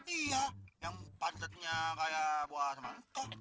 iya yang pangkatnya kayak buah semangkuk